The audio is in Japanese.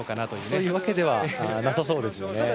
そういうわけではなさそうですね。